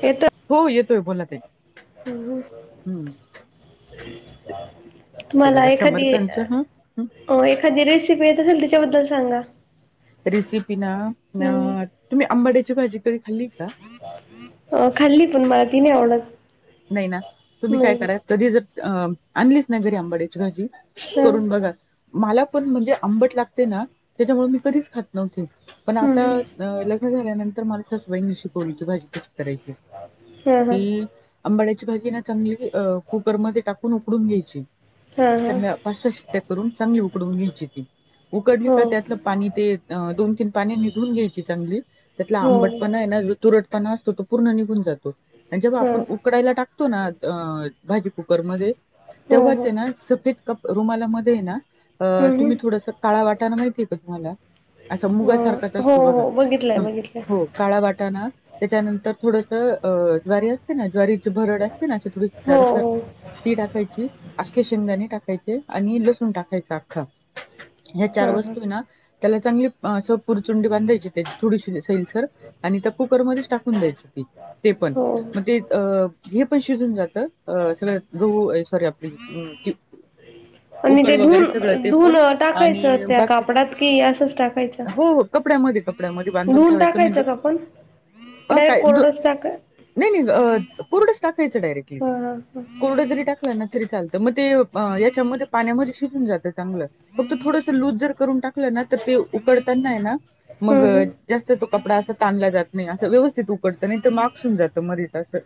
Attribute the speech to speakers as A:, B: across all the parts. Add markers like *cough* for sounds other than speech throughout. A: ठेवतो
B: हो, येतोय बोला ताई.
A: हम्, -
B: हम्म ते
A: तुम्हाला
B: बघा
A: एखादी
B: समर्थांच ह
A: हो एखादी रेसिपी येत असेल तिच्याबद्दल सांगा.
B: रेसिपी ना,
A: हम्म.
B: अ तुम्ही आंबाड्याची भाजी कधी खाल्ली का?
A: अ, खाल्ली पण मला ती नाही आवडत.
B: नाही ना, तुम्ही काय
A: नाही
B: करा कधी जर अ आणलीच नाही घरी आंबाड्याची भाजी
A: हा
B: करून बघा, मला पण म्हणजे आंबट लागते ना त्याच्यामुळे मी कधीच खात नव्हते. पण
A: हम्म
B: आता
A: हम्म.
B: अ लग्न झाल्यानंतर मला सासूबाईनी शिकवलीची भाजी कशी करायची.
A: शेजार
B: ती आंबाड्याची भाजी ना चांगली अ‌ कुकरमध्ये टाकून उकडून घ्यायची.
A: हा हा
B: चांगलया पाच -सहा शिट्ट्या करून चांगली उकडवून घ्यायची ती उकडली
A: हो
B: तर त्यातलं पाणी ते अ दोन-तीन पाणी निघून घ्यायची चांगली त्यातला
A: हो
B: आंबटपणा आहे ना तुरटपणा असतो तो पूर्ण निघून जातो आणि जेव्हा
A: हा
B: आपण उकडायला टाकतो ना अ भाजी कुकरमध्ये
A: हो
B: तेव्हाच
A: हो
B: आहे ना सफेद क रुमाला मध्ये ना
A: हम्म हम्म.
B: तुम्ही थोडस काळा वाटाण माहितीय का तुम्हाला? असा
A: अ,
B: मुगासारखाच
A: हो
B: असतो बघा
A: हो बघितलंय
B: ह
A: बघितलंय
B: हो. काळा वाटाना त्याच्यानंतर थोडस अ ज्वारी असते ना ज्वारी च भरड असते ना थोडी
A: हो
B: झाडसर
A: हो
B: ती टाकायची, आख्खे शेंगदाणे टाकायचे आणि लसूण टाकायच आख्खा. हे चार
A: हा हा
B: वस्तू ना त्याला चांगली अस पुरचुंडी बांधायची. त्या थोडीशी सैल सर आणि त्या कुकरमध्येच टाकून द्यायच ती ते पण
A: हो
B: म ते हे पण शिजून जातं सगळ्यातो सॉरी आपली
A: *inaudible* आणि
B: उकड
A: ते
B: वगैरे
A: धुून,
B: सगळं ते
A: धुून
B: पण
A: टाकायचं
B: आणि
A: त्या
B: बाकी
A: कापडात की असंच टाकायचं?
B: हो हो कपड्यामध्ये, कपड्यामध्ये बांधून
A: धुवून
B: ठेवायचं
A: टाकायचं
B: म्हणजे
A: का आपण की
B: अ
A: डायरेक्ट
B: काय,
A: कोरडच टाका
B: नाही नाही कुरडच टाकयचं डायरेक्टली.
A: हा हा हा
B: कोरडं जरी टाकलं ना तरी चालतं मग ते याच्यामध्ये पाण्यामध्ये शिजून जातं चांगलं. फक्त थोडस लूज जर करून टाकलं ना तर ते उकडता नाही ना. मग
A: हं, हं.
B: जास्त तो कपडा असा ताणला जात नाही असं व्यवस्थित उकडत नाही तर मग अकसून जात. मधीच अस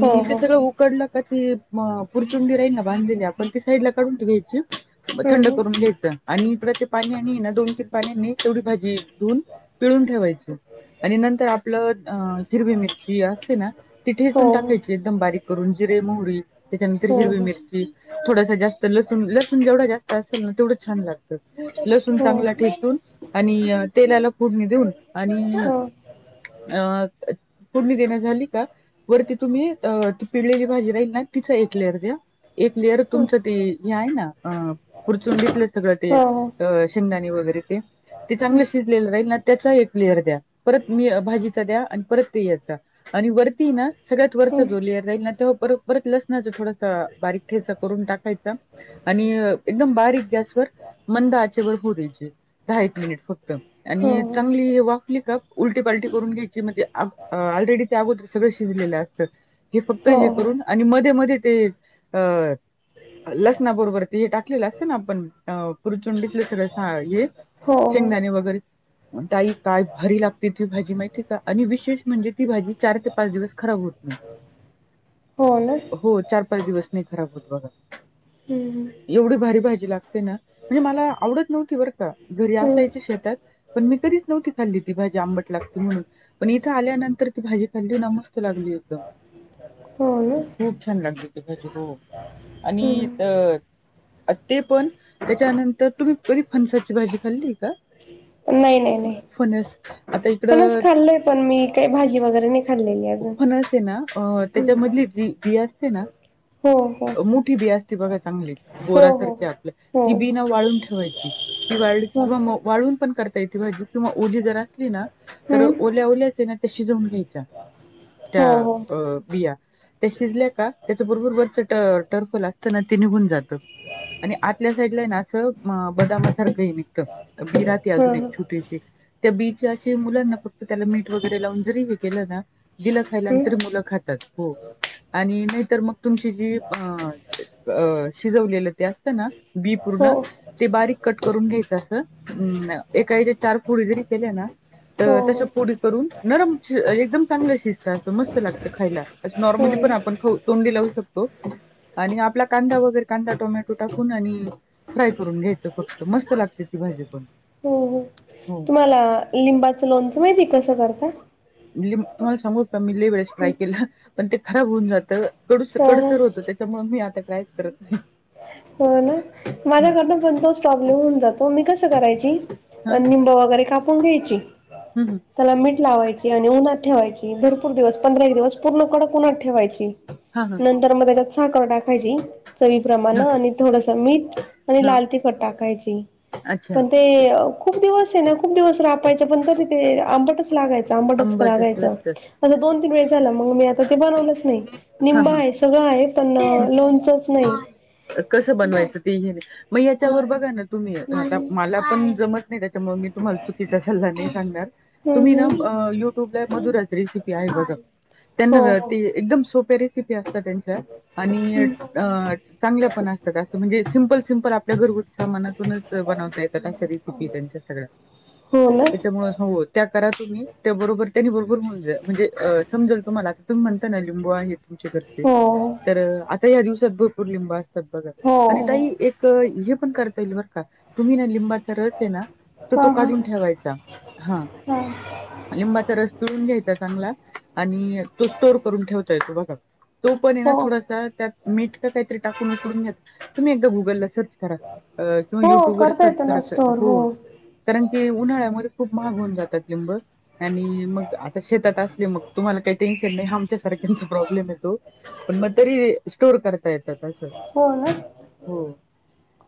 A: हो,
B: ते
A: हो.
B: सगळं उकडलं का ती पुरचुंडी राहील ना बांधलेली आपण ती साईड ला काढून ठेवायची.
A: हं,
B: थंड
A: हं.
B: करून घ्यायचं आणि इकडं ते पाणी आणि ना दोन- तीन पाणी आणि तेवढी भाजी धुून पिळून ठेवायचे. आणि नंतर आपलं अ हिरवी मिरची असते ना ती
A: हो,
B: ठेचून टाका
A: हो.
B: एकदम बारीक करून जिरे, मोहरी त्याच्यानंतर
A: हो,
B: हिरवी
A: हो.
B: मिरची थोडसा जास्त तर लसून, लसून जेवढा जास्त असेल ना तेवढं छान लागत. लसूण
A: हो,
B: चांगला ठेचून आणि तेलाला फोडणी देऊन आणि
A: हो.
B: अ पूर्ण देना झाली का वरती तुम्ही अ पिलेची भाजी राहील ना तिचा एक लेयर द्या एक लेअर
A: हं.
B: तुमचं ते आहे ना पुरचून घेतलं सगळं ते
A: हो, हो.
B: शेंगदाणी वगैरे ते, ते
A: हं,
B: चांगलं शिजलेलं राहील ना तेचा एक लेअर द्या परत मी भाजीचा द्या आणि परत ते याचा आणि वरती ना सगळ्यात वरचा
A: हं.
B: जो लेयर जाईल ना तो परत, परत लसणाचं थोडस बारीक ठ्यायचा करून टाकायचा. आणि एकदम बारीक गॅसवर मंद आचेवर पुरायचे दहा-एक मिनिट फक्त.
A: हो,
B: आणि
A: हो.
B: चांगली वाफली का उलटी पालटी करून घ्यायची म्हणते आप ऑलरेडी ते अगोदर सगळ शी केलं असत हे फक्त
A: हो,
B: हे
A: हो.
B: करून आणि मध्ये मध्ये ते अ लसणा बरोबर ते हे टाकलेलं असतं ना आपण पुरचुंडिकलं सगळ सा हे
A: हो, हो.
B: शेंगदाणे वगैरे ताई काय भारी लागते ती भाजी माहिती का आणि विशेष म्हणजे ती भाजी चार ते पाच दिवस खराब होत नाही.
A: हो न
B: हो चार पाच दिवस नाही खराब होत बघा
A: हम्म हम्म
B: एवढी भारी भाजी लागते ना म्हणजे मला आवडत नव्हती बरं का घरी
A: हं.
B: असायची शेतात पण मी कधी नव्हती खाल्ली ती भाजी आंबट लागते म्हणून, पण इथं आल्यानंतर ती भा खाली न मस्त लागली एकदम
A: हो ना?
B: खूप छान लागली ती भाजी हो आणि
A: हं.
B: त ते पण त्याच्यानंतर तुम्ही कधी फणसाची भाजी खाल्ली का?
A: नाही, नाही, नाही.
B: फणस आता
A: फणस
B: इकडं
A: खाल्लंय पण मी काही भाजी वगैरे नाही खाल्लेली अजून
B: णस न
A: हं.
B: त्याच्या मधली जी बी असते ना
A: हो, हो.
B: मोठी बी असती बघा चांगली
A: हो,
B: बोरासारखी आपल्या
A: हो.
B: ती
A: हो.
B: बी न वाळून ठेवायची. ती वाळली
A: हं.
B: किंवा मऊ वाळून पण करता येते भाजी किंवा ओली जर असली ना तर
A: हं.
B: ओल्या ओल्याच आहे न त्या शिजवून घ्यायच्या त्या
A: हो, हो.
B: अ बिया ते शिजल्या का त्याच्या बरोबर बरच ट-टर्फल असत न ते निघून जातं. आणि आतल्या साईडला ना असं बदामासारखं हे विकत. बी राहते अजून
A: हं,
B: एक
A: हं.
B: छोटीशी. त्या बीची अशी मुलांना फक्त त्याला मीट वगैरे लावून जरी हे केलं न दिलं
A: हं.
B: खायल्यानंतर मुलं खातात हो आणि नाहीतर मग तुमची जी अ शिजवलेलं ते असत न बी
A: हो.
B: पूर्ण ते बारीक कट करून घ्यायच असं ऐकायचं चार फुडी जरी केल्या ना
A: हो,
B: तर त्याच्या
A: हो.
B: पोडी करून नरम एकदम चांगल मस्त ला खायला
A: हो
B: नॉर्मली पण
A: ना?
B: आपण खाऊ तोंडी लाऊ तोंडी शकतो. आणि आपला कांदा वगैरे कांदा, टोमॅटो टाकून आणि फ्राय करून घ्यायचं फक्त मस्त लागते ती भाजी पण
A: हो हो
B: हो
A: तुम्हाला लिंबाचं लोणचं माहिती आहे का कसं करता.
B: ली तुम्हाला सांग का मले वेळेस काय केलं पण ते खराब होऊन जात. तर कडूसर
A: हा हा
B: कडूसर होत ते, त्याच्यामुळे मी आता ट्रायच कायच करत नाही.
A: हो न माझ्याकडनं पण तोच प्रॉब्लेम होऊन जातो. त मी कसं
B: हा
A: करायचीनिंब वगैरे कापून घ्यायची.
B: हम्म
A: त्याला मीठ लावायची आणि उन्हात ठेवायची भरपूर दिवस पंधरा एक दिवस पूर्ण कडक उन्हात ठेवायची.
B: हा हा
A: नंतर मग त्याच्यात साखर टाकायची. प्रमाण
B: हा
A: आणि थोडस मीठ आणि
B: हा
A: लाल तिखट टाकायची
B: अच्छा
A: पण ते खूप दिवस आहे ना खूप दिवस रापायचं पण तरी ते आंबटच लागायचं आंबटच लागायचं. *unintelligible* असं दोन तीन वेळ झाला मग मी आता ते बनवलंच नाही
B: हा
A: निंब
B: हा
A: आहे सगळं आहे पण लोणचच नाही.
B: कसं बनवायचं ते हेणे म याच्यावर बघा न तुम्ही आता
A: हम्म
B: मला पण जमत नाही त्याच्यामुळे मी तुम्हाला चुकीचा सल्ला नाही सांगणार तुम्ही न
A: हम्म
B: युट्युबला मधुरा रेसिपी आहे बघा,
A: हो
B: त्याना ते एकदम सोप्या रेसिपी असतात त्यांच्या
A: हो
B: आणि चांगल्या पण असतात असं, म्हणजे सिम्पल, सिम्पल आपल्या घरगुती मनातूनच बनवता येतात अशा रिसिपी त्यांच्या सगळ्या,
A: हो ना
B: त्याच्यामुळे हो त्या करा तुम्ही, त्या बरोबर त्यानी बरोबर म्हणजे समजल तुम्हाला. तुम्ही म्हणता ना लिंबू आहेत.
A: हो
B: तर आता या दिवसात भरपूर लिंब असतात बघा
A: हो
B: आणि
A: हो
B: ताई एक हे पण करता येईल बरं का, तुम्ही ना लिंबाचा रस आहे ना तर
A: हा
B: तो
A: हा
B: काढून ठेवायचा. हा, लिंबाचा रस पिळून घ्यायचा चांगला. आणि तो स्टोर करून ठेवता येतो बघा. तो पण आहे ना
A: हो
B: थोडासा त्यात मीठ का काहीतरी टाकून उकडून घ्या, तुम्ही एकदा गुगलला सर्च किंवा
A: हो
B: युट्यूब वर
A: करता
B: सर्च
A: येतो
B: करा,
A: ना स्टोर
B: हो. कारण की उन्हाळ्यामध्ये खूप महाग होऊन जातात लिंब. आणि मग आता शेतात असले मग तुम्हाला काही टेन्शन नाही आमच्यासारख्यांच प्रॉब्लेम आहे. पण म तरी स्टोर करता येतात असं,
A: हो ना
B: हो.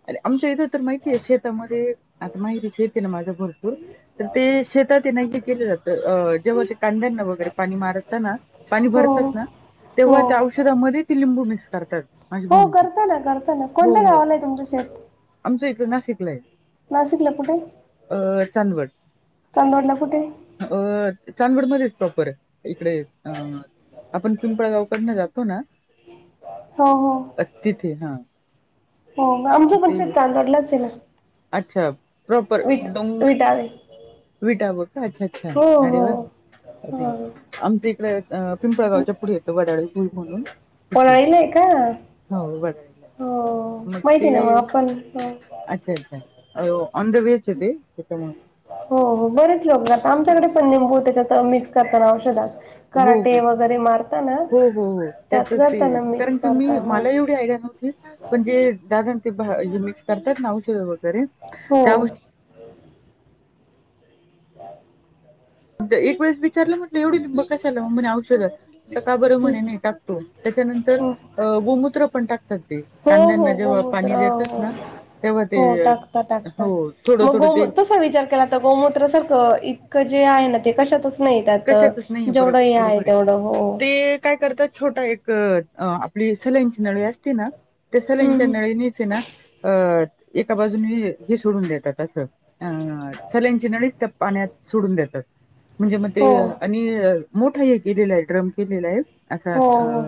B: अर आमच्या इथं तर माहिती आहे शेतामध्ये, आता माहेरी शेत आहे ना माझा भरपूर. तर ते शेतात हे ना हे केलं जातं अ जेव्हा ते कांद्यांना वगैरे पाणी मारताना पाणी
A: हो
B: भरतात ना.
A: हो
B: तेव्हा त्या औषधामधी ती लिंबू मिक्स करतात. माझी
A: हो
B: भाऊन ते
A: करता ना, करताना कोणत्या गावाला आहे तुमच शेत?
B: आमचं इकडे नाशिकला हाय.
A: नाशिकला कुठं?
B: अ, चांदवड.
A: चांदवडला कुठे?
B: अ, चांदवड मध्येच प्रॉपर हाय. इकडे अ आपण पिंप जातो ना,
A: हो हो
B: तिथे हा.
A: हो आमच पण
B: ते
A: शेत चांदवडलाच आहे ना.
B: अच्छा प्रॉपर,
A: विट विटावे
B: विठा व अच्छा. अच्छा
A: हो,
B: अरे
A: हो
B: वा आय
A: ह.
B: थिंक आमच्या इकडे पिंपळगावच्या पुढ येतं वडळी.
A: पळाईला आहे का हो
B: *unintelligible*
A: *unintelligible*
B: अच्छा, अच्छा, ऑन द वेच ते तेच्यामुळे..
A: हो बरेच लोक घालतात, आमच्याकडे पण निंबू त्याच्यात मिक्स करताना औषधात.
B: हो, हो,
A: कराटे वगैरे मारताना
B: हो, हो, हो त्यात ती
A: करताना
B: कारण
A: मिक्स
B: की मी
A: करता हो
B: मला एवढी आयड्या नव्हती. पण जे दादा ते मिक्स करतात ना औषधा सोबत.
A: हो. *unintelligible*
B: एक वेळेस विचारलं म्हटलं एवढी लिंब. कशाला म्हणे, औषधात का बर म्हणे नाही टाकतो. त्याच्यानंतर गोमूत्र पण टाकतो. *inaudible*
A: हो हो गोमत्र,
B: तेव्हा ते
A: हो टाकतात,
B: हो
A: टाकतात
B: थोडं
A: मग
B: थोडं ते
A: गोमूत्र विचार केला तर गोमूत्र सारखं इतकं जे आहे ना ते कशातच नाही त्यात
B: कशातच नाही
A: जेवढं
B: बरोबर
A: हे आहे
B: बरोबर
A: तेवढं हो
B: हाय ते काय करतात छोटा एक आपली सलाईनची नळी असते ना, त्या सलांईच्या
A: हम्म
B: नळीनेच ना अ, एका बाजूनी हे सोडून देतात असं. अ, सलाईनची नळीच पाण्यात सोडून देतात. म्हणजे मग ते
A: हो
B: आणि मोठा हे केलेला आहे, ड्रम केलेला आहे. असा
A: हो
B: अ
A: हो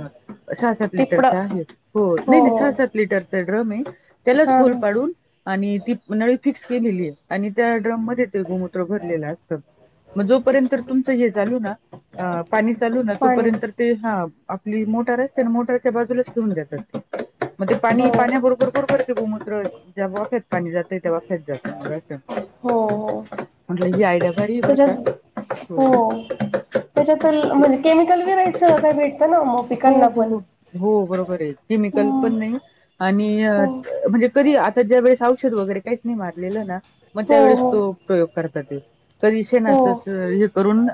B: सहा सात
A: टिपड
B: लिटरचा आहे हो नाही नाही सहा सात लिटरचा ड्रम आहे. त्यालाच
A: हा
B: हॉल
A: हा
B: पाडून आणि ती नळी फिक्स केलेली आहे आणि त्या ड्रम मध्ये ते गोमूत्र भरलेलं असत. मग जोपर्यंत तुमच हे चालू ना पाणी चालू ना
A: पाणी
B: तोपर्यंत ते हा आप आपली मोटर असते न मोटरच्या बाजूलाच ठिऊन देतात ते मंग ते
A: हो
B: पाणी पाण्या बरोबर बरोबर ते गोमूत्र ज्या वाफेत पाणी जाते त्या वाफेत जाते मंग अस
A: हो हो
B: म्हटलं ही आयडिया भारी आहे बर
A: त्याच्यात
B: का
A: हो त्याच्यातून म्हणजे केमिकल विरहित सहसा भेटत म
B: हो
A: पिकांना
B: हो
A: पण
B: हो हो बरोबर आहे
A: ह
B: केमिकल पण नाही आणि
A: हो
B: म्हणजे कधी आता ज्या वेळेस औषध वगैरे काहीच नाही मारलेलं ना मग त्यावेेळेस
A: हो
B: तो प्रयोग करतात ते कधी
A: हो
B: शेणाच हे करून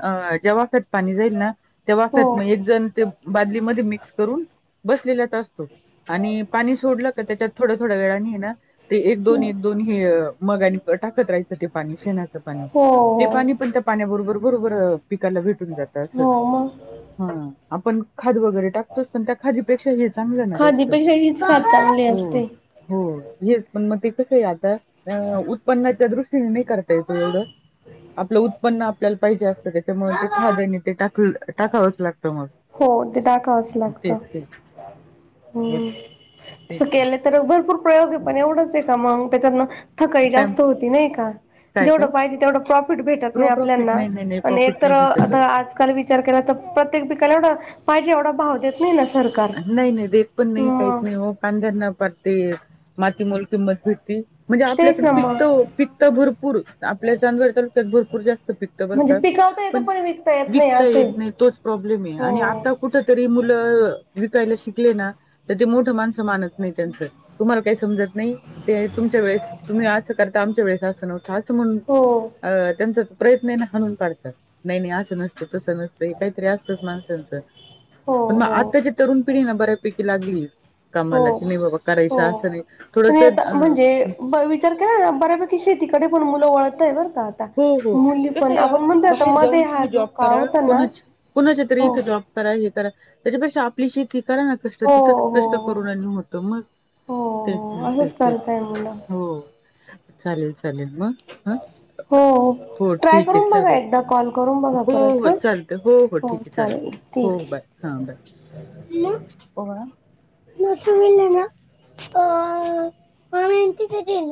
B: ज्या वाफेत पाणी जाईल ना त्या
A: हो हो
B: वाफेत मग एक जण ते बादलीमध्ये मिक्स करून बसलेलाच असतो. आणि पाणी सोडलं का त्याच्यात थोडं थोडं मिळानी न ते एक दोन
A: हो
B: एक दोन हे मगानी टाकत राहायच. ते पाणी शेणाच पाणी ते
A: हो
B: पाणी
A: हो
B: पण त्या पाण्याबरोबर बरोबर पिकाला भेट
A: हो मग
B: *unintelligible* आपण खत वगैरे टाकतोच मंग त्या खत पेक्षा हे चांगलं न जास्त
A: खादीपेक्षा हीच खात चांगली
B: हो
A: असते.
B: हो हेच पण मग ते कस आहे आता उत्पन्नाच्या दृष्टीने नाही करता येत हो एवढं. आपलं उत्पन्न आपल्याला पाहिजे असतं त्याच्यामुळे ते *unintelligible* ते टाक टाकावच लागत मग
A: हो ते टाकावंच लागतं.
B: तेच तेच व
A: हम्म
B: तेच
A: तसं
B: ना
A: केलं तर भरपूर प्रयोग आहे पण एवढंच ते का मग त्याच्यातन थकाई
B: पॅम-
A: जास्त होती नाही का?
B: काय काय
A: जेवढं पाहिजे तेवढं प्रॉफिट भेटत
B: प्रो
A: नाही
B: प्रॉफिट
A: आपल्याना
B: नाही नाही नाही
A: आणि एक
B: प्रॉफिट
A: तर
B: नाही
A: आता
B: भेटत
A: आज काल विचार केला तर प्रत्येक पिकाला एवढं पाहिजे एवढा भाव देत नाही न सरकार.
B: नाही नाही दे पण नाही काहीच
A: मग
B: नाही हो कांद्यांना पार ते माती मोल किंमत भेटती. म्हणजे
A: तेच
B: आपल्याकड
A: ना मग
B: पिकत ओ पिकत भरपूर आपल्या च्या *unintelligible* भरपूर जास्त पिकत बर
A: म्हणजे
B: का
A: पिकवता येतं
B: पण
A: येत नाही
B: विकता
A: असंय.
B: येत नाही तोच प्रॉब्लेम आहे
A: हो
B: आणि आता कुठ तरी मुलं विकायला शिकले ना तर ते मोठं माणसं मानत नाही त्यांच तुम्हाला काय समजत नाही ते तुमच्या वेळेस तुम्ही असं करता आमच्या वेळेस असं नव्हतं असं म्हणून
A: हो
B: अ त्यांचा प्रयत्न आहे ना हाणून पाढतात नाही नाही असं नस तस नसतं काहीतरी असतच माणसांचं
A: हो
B: पण मग आ
A: हो
B: तरुण पिणी बऱ्यापैकी लागलीय.
A: हो
B: कमाला की नाही बाबा
A: हो
B: करायचं असं नाही थोडस अ
A: ब विचार केला का बऱ्यापैकी शेतीकडे पण मुलं वळताय बर का आता
B: हो हो
A: मुली
B: कसं
A: पण
B: आहे
A: आपण
B: अहो
A: म्हणतो आता
B: बाहेर जाऊन
A: मध्ये हा
B: तुम्ही
A: जो
B: जॉब
A: काळ
B: करा
A: होता ना
B: कोणा-कोणाच्या तरी
A: हो
B: इथं जॉब करा हे करा त्याच्यापेक्षा आपली शती करा ना कष्ट
A: हो
B: तिथंच
A: हो
B: कष्ट करुनानी होत मग
A: हो
B: तेच
A: हो
B: न
A: असंच
B: तेच तेच
A: करताय मुलं
B: हो चालेल चालेल मग ह
A: हो
B: हो
A: ट्राय
B: ठीक आहे
A: करून बघा
B: चालेल
A: एकदा कॉल करून बघा
B: हो
A: परत
B: हो
A: ह
B: चालतंय
A: हो
B: ठीक आहे
A: चालेल
B: हो
A: ठीक
B: हो बाय
A: आहे.
B: हा *inaudible* मग ओळा *unintelligible*